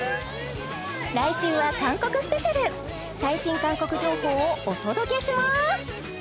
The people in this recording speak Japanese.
来週は韓国スペシャル最新韓国情報をお届けします！